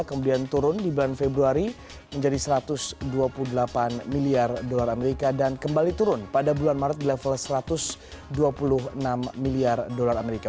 kemudian turun di bulan februari menjadi satu ratus dua puluh delapan miliar dolar amerika dan kembali turun pada bulan maret di level satu ratus dua puluh enam miliar dolar amerika